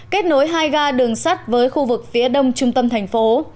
kết nối hai ga đường sắt với khu vực phía đông trung tâm thành phố